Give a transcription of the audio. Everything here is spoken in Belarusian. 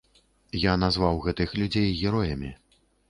Я назваў гэтых людзей героямі.